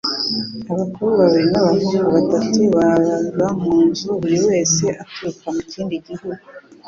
Abakobwa babiri n'abahungu batatu baba mu nzu, buri wese aturuka mu kindi gihugu. (